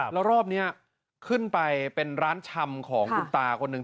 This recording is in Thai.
แล้วรอบนี้ขึ้นไปเป็นร้านชำของคุณตาคนหนึ่ง